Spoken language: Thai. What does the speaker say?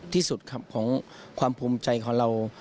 ที่สุดครับของความภูมิใจของเรา